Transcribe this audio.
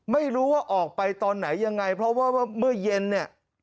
ไม่รู้ว่าออกไปตอนไหนยังไงเพราะว่าเมื่อเย็นเนี่ย